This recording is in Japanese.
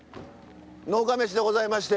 「農家メシ！」でございまして。